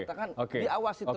di awasi terus